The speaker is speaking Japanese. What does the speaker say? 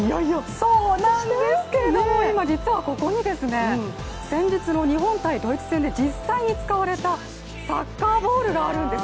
そうなんですけれども、今、こちらに先日の日本×ドイツ戦で使われた実際に使われたサッカーボールがあるんです。